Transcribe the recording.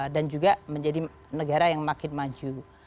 dan juga menjadi negara yang makin maju